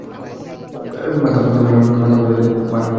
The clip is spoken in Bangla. মদ-মাতালেদের ভাড়া করি না আমি।